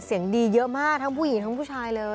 เสียงดีเยอะมากทั้งผู้หญิงทั้งผู้ชายเลย